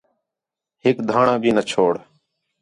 ہِک دھاݨاں بھی نہ چھوڑ